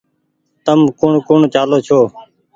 تم ڪوٚڻ ڪوٚڻ چآلو ڇو